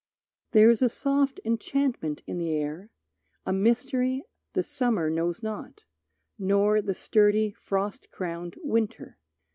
There is a soft enchantment in the air, A mystery the Summer knows not, nor The sturdy, frost crowned Winter.